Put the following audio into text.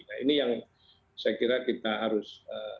nah ini yang saya kira kita harus